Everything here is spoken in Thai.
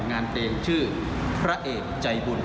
งานเพลงชื่อพระเอกใจบุญ